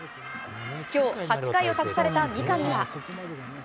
きょう８回を託された三上は。